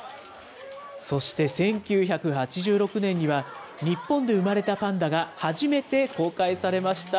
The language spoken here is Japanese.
そして１９８６年には、日本で生まれたパンダが初めて公開されました。